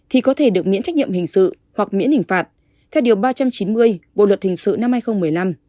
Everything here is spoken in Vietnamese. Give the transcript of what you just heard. thì có thể được miễn trách nhiệm hình sự hoặc miễn hình phạt theo điều ba trăm chín mươi bộ luật hình sự năm hai nghìn một mươi năm